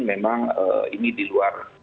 memang ini di luar